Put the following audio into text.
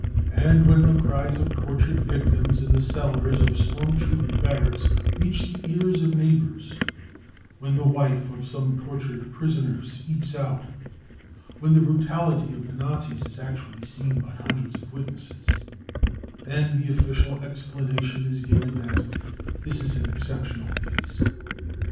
And when the cries of tortured victims in the cellars of storm troop barracks reach the BRUTALITY AND TORTURE 195 ( ears of neighbours, when the wife of some tortured prisoner speaks out, when the brutality of the Nazis is actually seen by hundreds of witnesses, then the official explanation is | given that " this is an exceptional case."